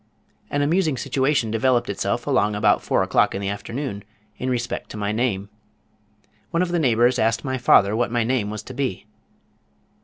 An amusing situation developed itself along about 4 o'clock in the afternoon, in respect to my name. One of the neighbors asked my father what my name was to be.